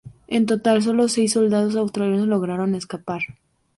En total, sólo seis soldados australianos lograron escapar.